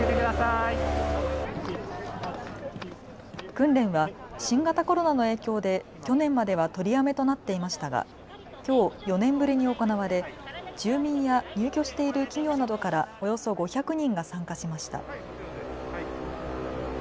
訓練は新型コロナの影響で去年までは取りやめとなっていましたがきょう４年ぶりに行われ住民や入居している企業などからおよそ５００人が参加しました。